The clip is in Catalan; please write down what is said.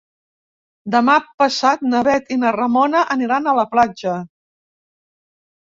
Demà passat na Bet i na Ramona aniran a la platja.